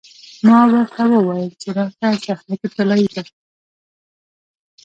ما ورته وویل چې راشه شهرک طلایې ته.